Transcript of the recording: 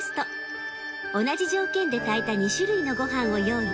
同じ条件で炊いた２種類のご飯を用意。